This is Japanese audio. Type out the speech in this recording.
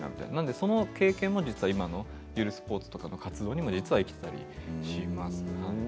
その経験も実は今のゆるスポーツとかの活動に生きていたりします。